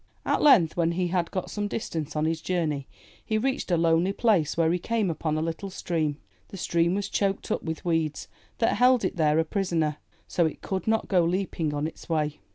At length, when he had got some distance on his journey, he reached a lonely place where he came upon a little Stream. The Stream was choked up with weeds, that held it there a prisoner, so it could not go leaping on its way.